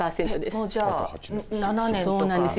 もうじゃあ７年とか。